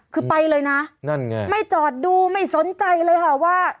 คือไปเลยนะนั่นไงไม่จอดดูไม่สนใจเลยค่ะว่า